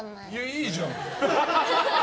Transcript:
いいじゃん。